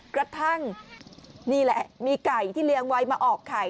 กระทั่งนี่แหละมีไก่ที่เลี้ยงไว้มาออกไข่